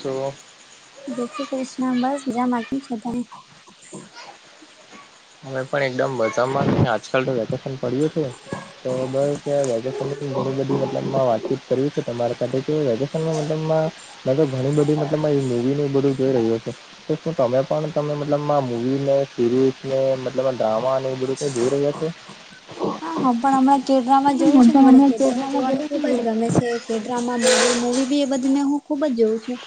Hello. જય શ્રી કૃષ્ણ બસ [unintelligible] અમે પણ એકદમ મજામાં ને આજકાલ તો વેકેશન પડ્યું છે. તો બસ વેકેશન [unintelligible] ઘણી બધી મતલબ વાતચીત કરવી છે તમારા સાથે વેકેશન મતલબમાં મે તો ઘણી બધી મતલબમાં મુવીને એવુ બધું જોઈ રહ્યો છે. તો શું તમે પણ તમે મતલબમાં મુવી ને સિરીઝ ને મતલબમાં ડ્રામા ને એવુ બધું છે જોઈ રહ્યા છે. હા, હું પણ હમણાં કેડરામાં જોવું છે હું ને મને પણ કેડરામાં હમણાં જોવાનું ખુબ જ ગમે છે. ડ્રામા મુવી મુવી એ બધી હું ખુબ જ જોઉં છું.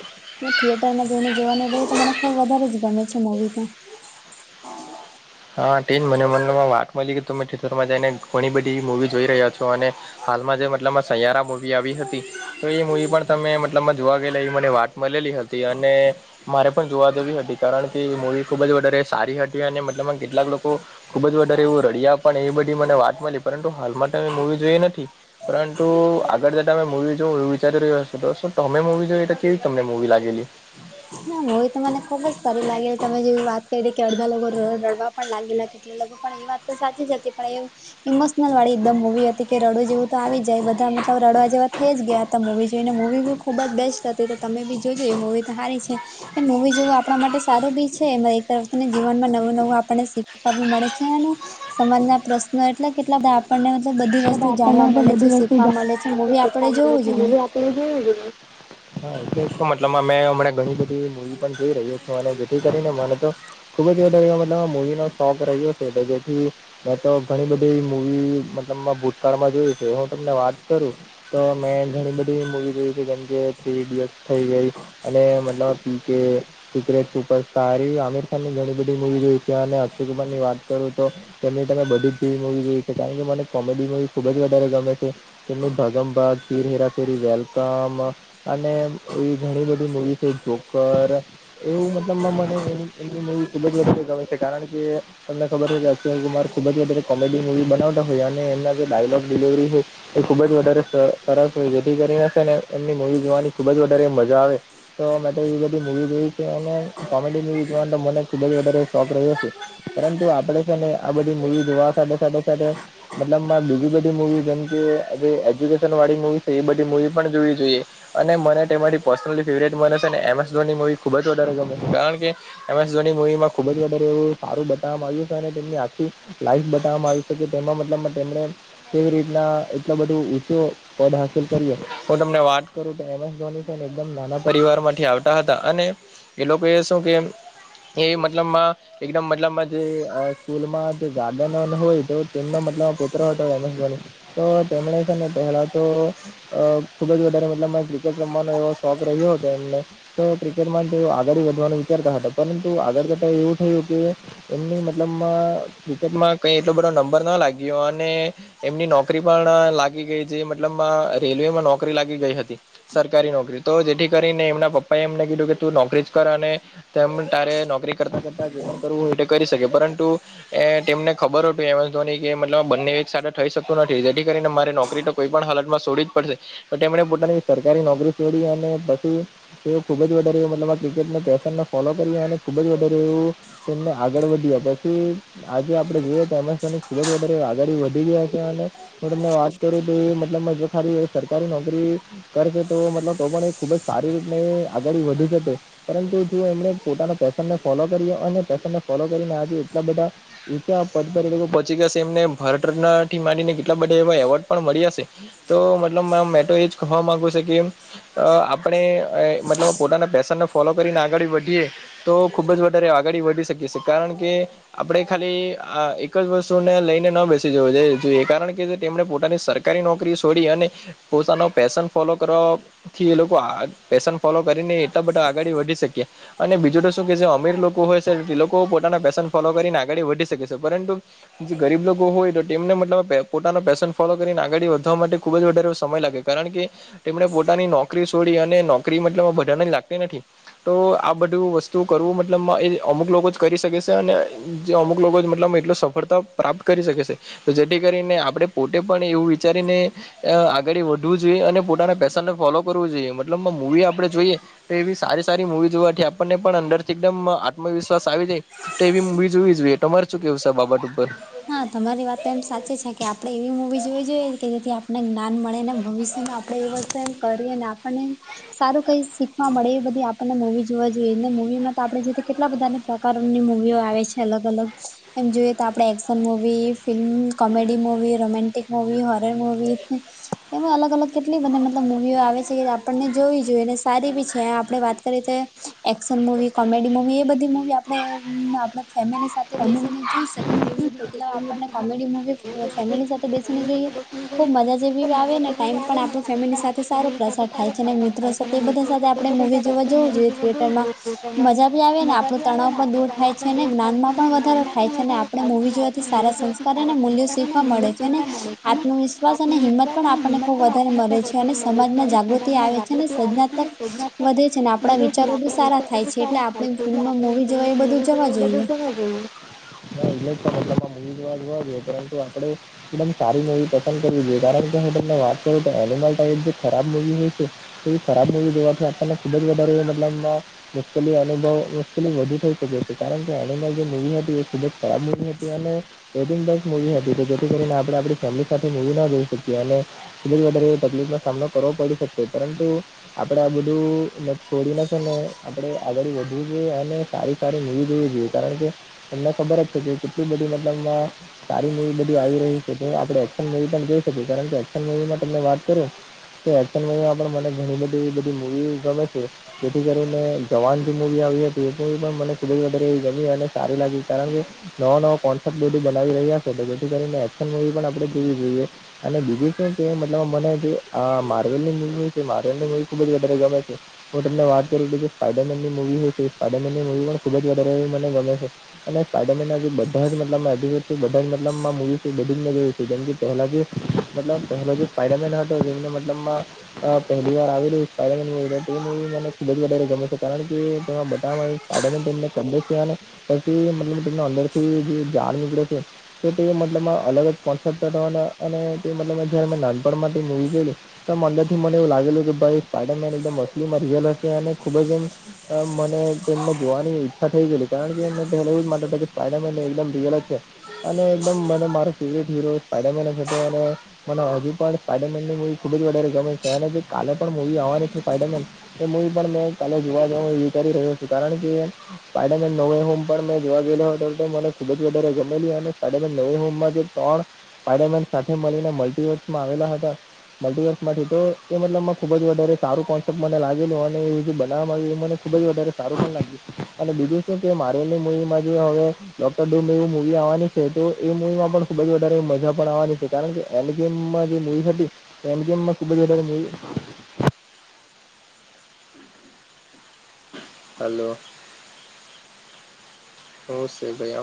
થિયેટર માં જઈને જવાની [unintelligible] તો મને ખબ વધારે જ ગમે છે મૂવી તો હા, તેજ મને મતલબમાં વાત મળી કે તમે થેટરમાં જઈને ઘણી બધી મુવી જોઈ રહ્યા છો અને હાલમાં જે મતલબમાં સયારા મુવી આવી હતી. તો એ મુવી પણ તમે મતલબમાં જોવા ગયેલા એ મને વાત મળેલી હતી અને મારે પણ જોવા જવી હતી કારણ કે મૂવી ખૂબ જ વધારે સારી હતી અને મતલબમાં કેટલાક લોકો ખુબ જ વધારે એવું રડિયા પણ એવી બધી મને વાત મળી પરંતુ હાલ માટે મે મૂવી જોઈ નથી. પરંતુ આગળ જતા મે મૂવી જોવ એવું વિચારી રહ્યો છું, તો શું તમે મૂવી જોય તો કેવી તમને મૂવી લાગેલી? હા, મુવી તો મને ખુબ જ સારી લાગેલી તમે જેવી વાત કરી કે અડધા લોકો રડવા પણ લાગેલા એ લોકો પણ એ વાત તો સાચી જ હતી પણ એ ઇમોશનલ વાળી એકદમ મુવી હતી કે રડું જેવું તો આવી જાય બધા મતલબ રડવા જેવા થઈ જ ગયા. હતા. મૂવીજોઇને મૂવી બી જ બેસ્ટ હતી તો તમે બી જોજો એ મૂવી તો હારી છે. એ મૂવી જેવું આપણા માટે સારું બી છે એક તરફથીને જીવનમાં નવું નવું આપણને શીખ વા બી મળે છે ને સમાજ ના પ્રશ્નો એટલે કેટલા બધા. આપણને મતલબ બધી વસ્તુ જાણવા આપણને તો મળે છે બધી વસ્તુ શીખવા મળે જાણવા છે મુવી આપડે શીખવા મળે જોવું છે જોઈએ. મૂવી તો મતલબમાં મે અમણાં ઘણી બધી મુવી પણ જોઈ રહ્યો છે અને જેથી કરીને મને તો ખુબ જ વધારે એવો મતલબમાં મૂવી નો શોખ રહ્યો છે. તો જેથી મે તો ઘણી બધી એવી મુવી મતલબમાં ભૂતકાળમાં જોયું છે હું તમને વાત કરું તો મેં ઘણી બધી મુવી જોય છે જેમકે થ્રી ઇડિયટસ થઈ ગઈ અને મતલબ P. K. Secret superstar એવી આમીર ખાન ની ઘણી બધી મુવી જોઈ છે અને અક્ષયકુમારની વાત કરું તો તેમની તો મેં બધી જ ટીવી મુવી જોઈ છે કારણ કે મને કોમેડી મૂવી ખુબ જ વધારે ગમે છે. ભાગમભાગ ફીર હેરાફેરી વેલકમ અને એવી ઘણી બધી મુવી છે જોકર એવું મતલબમાં મને [unintelligible] ખૂબ જ વધુ ગમે છે કારણ કે તમને ખબર છે કે અક્ષય કુમાર ખુબ જ વધારે કોમેડી મુવી બનાવતા હોય અને એમના જે ડાયલોગ ડિલિવરી હોય. એ ખુબ જ વધારે સરસ હોય જેથી કરીને સે ને એમની મુવી જોવાની ખુબ જ વધારે એ મજા આવે. તો મેં તો એવી બધી મુવી જોય છે અને કોમેડી મુવી જોવાનો તો મને ખુબ જ વધારે શોખ રહ્યો છે. પરંતુ આપડે છે ને આ બધી મુવી જોવા સાથે સાથે-સાથે મતલબ માં બીજી બધી મુવી જેમ કે એજ્યુકેશન વાળી મુવી છે એ બધી મુવી પણ જોવી જોઈએ. અને મને તેમાથી પર્સનલી ફેવરેટ મને છે ને એમ એસ ધોની મૂવી ખૂબ જ વધારે ગમે છે કારણ કે એમ એસ ધોની મુવીમાં ખુબ જ વધારે એવું સારું બતાવવામાં આવ્યું છે અને તેમની આખી ટાઈમ બતાવવામાં આવી તે મતલબ તેમને કેવી રીતના એટલો બધો ઊંચો ફોન હાંસિલ કર્યો હું તમને વાત કરું [unintelligible] એકમ નાના પરિવારમાંથી આવતા હતા અને એ લોકો એ શું કે એ મતલબમાં એકદમ મતલબમાં જે સ્કૂલમાં ગાર્ડનનો હોય. તો તેમના મતલબ હતો [unintelligible] તો તેમણે છે ને પેલા તો અ ખુબ જ વધારે મતલબ ક્રિકેટ રમવાનો એવો શોખ રહ્યો હતો એમને તો ક્રિકેટમાં જો આગળ વધવાનું વિચારતા હતા પરંતુ આગળ કરતા એવું થયું કે એમની મતલબમાં ક્રિકેટમાં કઈ એટલો બધો નંબર ના લાગયો અન ને એમની નોકરી પણ લાગી છે મતલબ રેલવેમાં નોકરી લાગી ગઈ હતી સરકારી નોકરી તો જેથી કરીને એમના પપ્પા એ એમને કીધું કે તું નોકરી જ કર અને તેમ તારે નોકરી કરતા કરતા જે પણ કરવું હોય એ કરી શકે પરંતુ એ તેમને ખબર હતું એમ એસ ધોની કે મતલબ બંને એક સાથે થઈ શકતું નથી જેથી કરીને મારી નોકરી તો કોઈ પણ હાલતમાં છોડી જ પડશે તો તેમણે પોતાની સરકારી નોકરી છોડી અને પછી ખુબ જ વધારે મતલબ આ ક્રિકેટના પેશનને ફોલો કરી અને ખુબ જ વધારે તેમને આગળ વધીએ પછી આજે આપડે જોઈએ તો ખૂબ જ વધારે આ ગણી વધી ગયા ત્યાં અને મેં તમને વાત કરું તે મતલબ સારી એવી સરકારી નોકરી કરશે તો મતલબ તો પણ એ ખુબ જ સારી રીતને આગળ વધી શકે છે. પરંતુ જો એમણે પોતાના પેશન ને ફોલો કર્યો અને પૅશન ને ફોલો કરીને આજે એટલા બધા છા પર એ લોકો પહોચી ગયાશે એમને ભારત રત્ન થી માંડીને કેટલા બધા એ એવોર્ડ પણ મળી હશે. તો મતલબ મે તો એજ કેવા માંગુ છે કે અ આપણે મતલબ પોતાના પેશનને ફોલો કરીને આગળ વધીએ તો ખુબ જ વધારે આગળ વધી શકી છે કારણ કે આપણે ખાલી આ એક જ વસ્તુને લઈને ન બેસી જો એ કારણ કે પોતાની સરકારી નોકરી છોડી અને પોતાનો પેશન ફોલો કરો થી એ લોકો આ પેશન ફોલો કરીને એટલા બધા આગડી વધી શકયા. અને બીજું તો શું કે જે અમીર લોકો હોય છે તે લોકો પોતાના પેશન ફોલો કરીને આગળ વધી શકે છે પરંતુ જે ગરીબ લો કો હોય તો તેમને મતલબ પોતાનો પેશન ફોલો કરીને આગળી વધવા માટે ખુબ જ વધારે સમય લાગે કારણ કે તેમણે પોતાની નોકરી છોડી અને નોકરી મતલબ બધાને લાગતી નથી તો આ બધું વસ્તુ તો કરવું મતલબમાં એ અમુક લોકો જ કરી શકે છે અને જે અમુક લોકો જ મતલબ એટલ સફળતા પ્રાપ્ત કરી શકે છે તો જેથી કરીને આપણે પોતે પણ એવું વિચારીને આગળ વધવું જોઈએ અને પોતાના પેશનને ફોલો કરવું જોઈએ મતલબ મૂવી આપણે જોઈએ તો એવી સારી સારી મુવી જોવાથી આપણને પણ અંદર થી એકદમ આત્મ વિશ્વાસ આવી જાય તો એ મુવી જોઈએ તમારે શું કેવું છે બાબત ઉપર હા તમારી વાત તો એમ સાચી છે કે આપણે એવી મુવી જોવી જોઈએ કે જેથી આપને જ્ઞાન મળે ને ભવિષ્ય એમાં આપણેે એ વાત કરીએને આપણને સારું કઈ શીખવા મળે એ બધી આપણને મૂવી જોવા જોઈએ ને મુવી માં તો આપણે જો કેટલા બધાને પ્રકારની મુવીઓ આવે છે અલગ અલગ એમ જોઈએ તો આપણે એ movie film comedy movie romantic movie horror movie એમાં અલગ અલગ કેટલી બધી મતલબ મુવીઓ આવે છે આપણને જોવી જોઈએ અને સારી બી છે આપણે વાત કરીએ તો એક્શન મુવી કોમેડી મુવી એ બધી મુવી આપણે આપણી ફેમિલી સાથે તમે બેસીને જોઈ શકે તેવી બધી મતલબ આપને કોમેડી મુવી મગજ ફેમિલી સાથે બેસીને જોઈએ. ખુબ મજા જેવી આવે ને ટાઈમ આવે પણ ને આપણો ફેમિલી સાથે સારો આપણું પ્રસાર તણાવ થાય છે ને મિત્રો સાથે તે પણ બધા દૂર સાથે આપણે મુવી જોવા જોવું જોઈએ થિયેટરમાં મજા ભી આવે ને આપણું તણાવ પણ દૂર થાય છે ને થાય છે જ્ઞાનમાં અને પણ વધારે જ્ઞાનમાં થાય પણ છે ને વધારો આપણે થાય છે મુવી અને જોવાથી આપણે થી સારા મૂવી જોવાથી સંસ્કાર અને સારા મૂલ્ય સંસ્કાર અને શીખવા મૂલ્ય મળે છે અને શીખવા મળે છે અને આત્મવિશ્વાસ અને હિંમત આત્મવિશ્વાસ પણ અને આપણને હિંમત ખુબ પણ વધારે આપણને મળે ખૂબ છે વધારે અને મળે છે સમાજમાં અને જાગૃતિ સમાજમાં આવે છે અને જાગૃતિ આવે સર્જનાક છે અને સર્જનાત્મક વધે છે ને આપણા વધે છે અને વિચારો બી આપણા સારા વિચાર થાય બધું છે એટલે સારા થાય આપણે છે એટલે ફિલ્મમાં આપણે મુવી ફિલ્મ જોવા એ બધું મૂવી જવા જોવા એ બધું જોઈએ એટલે વાત પરંતુ આપડે [unintelligible] એકદમ સારી મુવી પસંદ કરવી જોઈએ કારણ કે મેં તમને વાત કરું તો એનિમલ ટાઈપ જે ખરાબ મુવી હોય છે એ ખરાબ નવી જોવાથી આપણને ખુબ જ વધારે મતલબ. મુશ્કેલી અનુભવ મુશ્કેલી વધુ થઈ શકે છે કારણ કે એનિમલ જે મુવી હતી એ ખૂબ જ ખરાબ મુવી હતી અને. રેટિંગ દસ મુવી હતી જેથી કરીને આપણે આપણી ફેમિલી સાથે મુવી ના જોઈ શકીએ અને. ખુબજ વધારે તકલીફ નો સામનો કરવો પડી શકશે પરંતુ. આપડે આ બધું છોડી ને છેને આપડે આગળ વધવું જોઈએ અને. સારી સારી મૂવી જોવી જોઈએ કારણ કે તમને ખબર જ છે કે કેટલી બધી મતલબમાં સારી મૂવી. આવી રહી છે જોઈ શકીએ એકશન મુવી પણ જોઈ શકી કારણકે એકશન મુવી ની વાત કરું. એક્શન મને ઘણી બધી બધી મૂવી ગમે છે. જેથી કરીને જવાન જે મૂવી આવી હતી એ મૂવી પણ મને ખૂબ જ વધારે ગમી અને સારી લાગી કારણ કે. નવા નવા કોન્સેપ્ટ બધી બનાવી રહ્યા તો જેથી કરીને એક્શન મુવી પણ આપણે જોવી જોઈએ. અને બીજું શુ કે મતલબ મને જે માર્વેલની મૂવી છે માર્વેલ ની મુવી ખુબ જ ગમે છે. હું તમને વાત કરી તો જે સ્પાઈડરમેનની મૂવી હોય એ સ્પાઈડરમેનની મૂવી પણ ખુબ જ વધારે એવી મને ગમે છે. અને સ્પાયડરમેનના જે બધા મતલબમા. બધા મૂવીમા જેમકે પહેલા જે મતલબ પહેલા જે સ્પાયડરમેન હતો જે મતલબમા. અ પહેલી વાર આવેલુ સ્પાયડરમેન તે મૂવી મને ખૂબ જ વધારે ગમેલુ. કારણ કે. સ્પાયડરમેન તમને પછી મતલબ તમને અંદર થી જે જાણવુ પડે છે. તો તે મતલબમાં અલગ જ કોન્સેપ્ટ થવાના અને તે મતલબ જારે મેં નાનપણમાંથી મૂવી જોયલી. તો આમ અંદર થી મને એવું લાગેલું કે ભાઈ સ્પાયડર મેન એકદમ અસ્લીમા રીયલ હશે અને ખૂબ જ એમ. મને એને જોવાની ઈચ્છા થઈ ગયલી કારણ કે એમને પહેલા એવું જ માનતા હતા કે સ્પાયડરમેન એકદમ રિયલ જ છે. અને એકદમ મને મારો ફેવરેટ હીરો સ્પાઇડરમેન જ હતો અને. મને હજુ પણ સ્પાઈડરમેનની મૂવી ખુબ જ વધારે ગમે છે અને જે કાલે પણ મૂવી આવવાની છે સ્પાઇડરમેન. એ મૂવી પણ મેં કાલે જોવા જવા વિચારી રહ્યો છું કારણ કે. સ્પાયડરમેન નવો હોમ પર જોવા ગયેલો હતો તો મને ખૂબ જ વધારે. સ્પાઇડરમેન નવી હોમ માં જે ત્રણ સ્પાઇડરમેન સાથે મળીને મલ્ટીવેરસ આવેલા હતા. મલ્ટીવર્સ માંથી તો એ મતલબ ખુબ જ વધારે સારું કોન્સેપ્ટ મને લાગેલું અને એ જે બનાવામાંમાં એ મને. ખૂબ જ વધારે સારું પણ લાગ્યુ અને બીજુ શુ કે મારવેલની મૂવીમા જે હવે. મૂવી આવાની છે તો એ મૂવામા પણ ખૂબ વધારે મજા પડવાની છે કારણ કે એલીગનમા જે મૂવી હતી. એલીગનમા ખૂબ જ વધારે મૂવી. હલો હું છે ભાઈ.